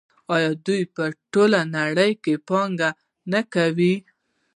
آیا دوی په ټوله نړۍ کې پانګونه نه کوي؟